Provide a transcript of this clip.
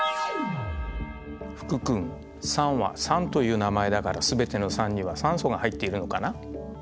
福君酸は酸という名前だから全ての酸には酸素が入っているのかな？